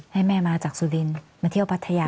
ให้แม่มาจากสุรินทร์มาเที่ยวพัทยา